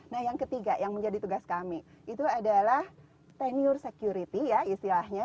nah yang ketiga yang menjadi tugas kami itu adalah teniur security ya istilahnya